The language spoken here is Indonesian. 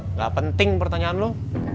nggak penting pertanyaan lo